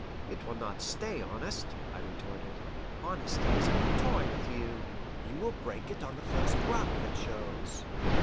"It will not stay honest," I retorted. "Honesty is a new toy with you. You will break it on the first rock that shows."